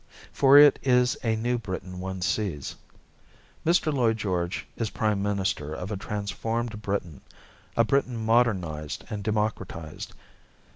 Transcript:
For it is a new Britain one sees. Mr. Lloyd George is prime minister of a transformed Britain, a Britain modernized and democratized.